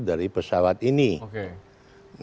dari pesawat ini oke